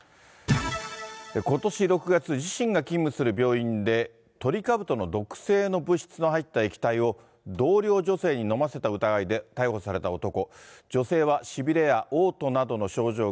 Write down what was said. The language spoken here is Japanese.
ことし６月、自身が勤務する病院で、トリカブトの毒性の物質の入った液体を、同僚女性に飲ませた疑いで逮捕された男。